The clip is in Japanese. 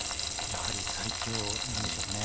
やはり最強なんでしょうかね。